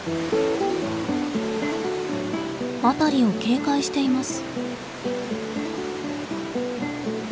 辺りを警戒しています。